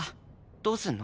どうするの？